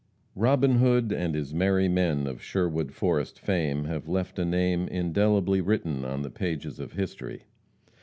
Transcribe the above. "Robin Hood and his merry men," of Sherwood forest fame, have left a name indelibly written on the pages of history.